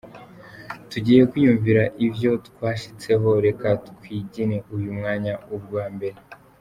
"Tugiye kwiyumvira ivyo twashitseko, reka twigine uyu mwanya ubwa mbere.